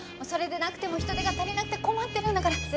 それでなくても人手が足りなくて困ってるんだから。